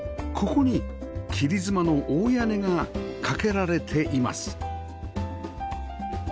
ここに切妻の大屋根がかけられています